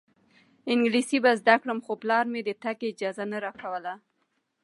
انګلیسي به زده کړم خو پلار مې د تګ اجازه نه راکوله.